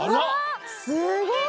すごい！